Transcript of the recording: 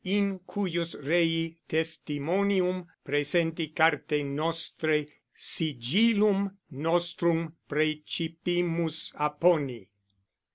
In cujus rei testimonium presenti Carte nostre sigillum nostrum precipimus apponi.